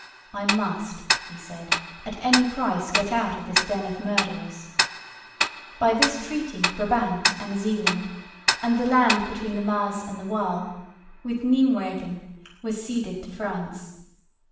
"I must," he said, "at any price get out of this den of murderers." By this treaty Brabant and Zeeland and the land between the Maas and the Waal, with Nijmwegen, were ceded to France.